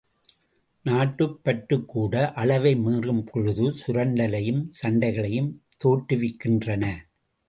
நாட்டுப் பற்றுக் கூட அளவை மீறும் பொழுது சுரண்டலையும் சண்டைகளையும் தோற்றுவிக்கின்றன.